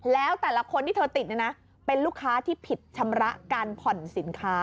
แล้วแต่ละคนที่เธอติดเนี่ยนะเป็นลูกค้าที่ผิดชำระการผ่อนสินค้า